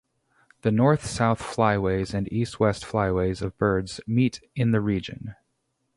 The north-south flyways and east-west flyways of birds meet in the region.